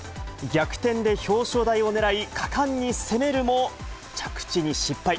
逆転で表彰台をねらい、果敢に攻めるも、着地に失敗。